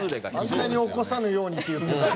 あんなに「起こさぬように」って言ってたのに。